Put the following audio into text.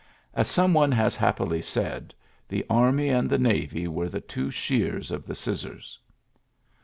As some one has happily said, the army and the navy were the two shears of the scissors.